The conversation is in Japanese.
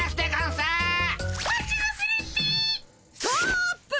ストップ！